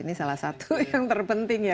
ini salah satu yang terpenting ya